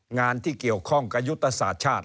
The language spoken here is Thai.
งานที่เกี่ยวข้องกับยุทธศาสตร์ชาติ